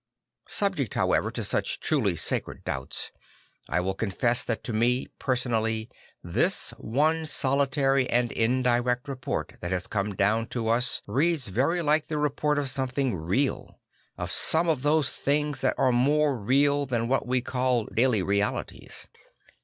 Subj ect however to such truly sacred doubts, I will confess that to me personally this one solitary and indirect report that has come down to us reads very like the report of something real; of some of those things tha t are more real than what we call daily realities.